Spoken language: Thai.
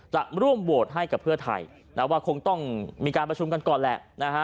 จะร่วมโหวตให้กับเพื่อไทยนะว่าคงต้องมีการประชุมกันก่อนแหละนะฮะ